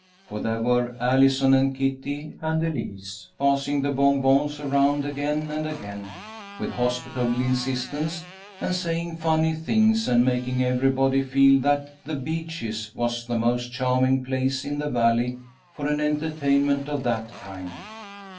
For there were Allison and Kitty and Elise passing the bonbons around again and again, with hospitable insistence, and saying funny things and making everybody feel that "The Beeches" was the most charming place in the Valley for an entertainment of that kind.